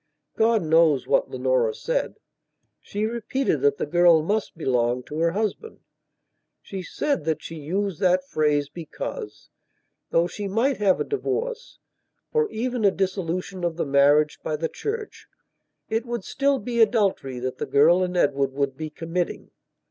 God knows what Leonora said. She repeated that the girl must belong to her husband. She said that she used that phrase because, though she might have a divorce, or even a dissolution of the marriage by the Church, it would still be adultery that the girl and Edward would be committing.